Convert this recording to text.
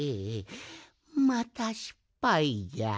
またしっぱいじゃ！